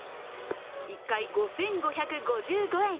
１回５５５５円。